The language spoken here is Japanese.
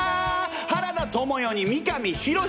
原田知世に三上博史！